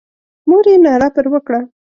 مور یې ناره پر وکړه.